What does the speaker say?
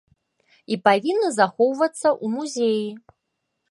І павінны захоўвацца ў музеі.